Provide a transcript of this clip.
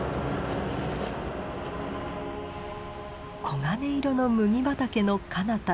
黄金色の麦畑のかなた。